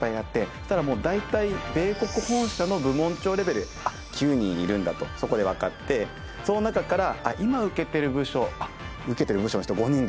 そしたらもう大体米国本社の部門長レベル「９人いるんだ」とそこでわかってその中から今受けてる部署「受けてる部署の人５人だ」。